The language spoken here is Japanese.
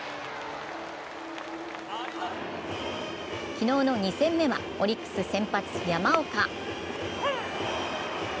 昨日の２戦目は、オリックス先発・山岡。